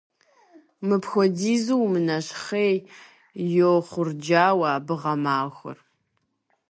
Мыпхуэдизу умынэщхъей, - йохъурджауэ абы гъэмахуэр.